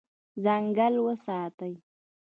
ځنګل وساتئ.